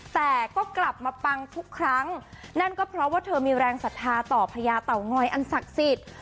แต่ก็กลับมาปังทุกครั้งนั่นก็เพราะว่าเธอมีแรงศรัทธาต่อพญาเต่างอยอันศักดิ์สิทธิ์